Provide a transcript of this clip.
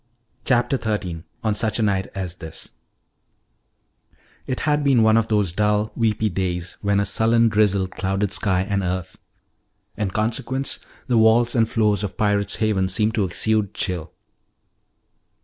CHAPTER XIII ON SUCH A NIGHT AS THIS It had been on of those dull, weepy days when a sullen drizzle clouded sky and earth. In consequence, the walls and floors of Pirate's Haven seemed to exude chill.